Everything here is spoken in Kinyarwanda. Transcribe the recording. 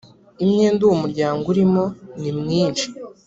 imyenda uwo muryango urimo nimwinshi